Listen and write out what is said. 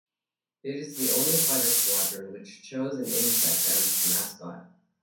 It is the only fighter squadron which chose an insect as its mascot.